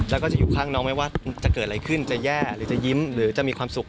แล้วก็จะอยู่ข้างน้องไม่ว่าจะเกิดอะไรขึ้นจะแย่หรือจะยิ้มหรือจะมีความสุข